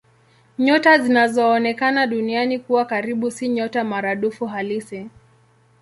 Nyota zinazoonekana Duniani kuwa karibu si nyota maradufu halisi.